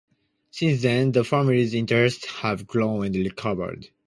Since then, the family's interests have grown and recovered.